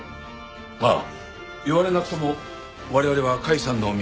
ああ言われなくとも我々は甲斐さんの味方です。